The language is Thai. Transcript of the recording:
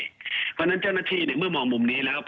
เพราะฉะนั้นเจ้าหน้าที่เมื่อมองมุมนี้แล้ว